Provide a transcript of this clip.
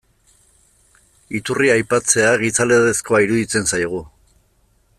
Iturria aipatzea, gizalegezkoa iruditzen zaigu.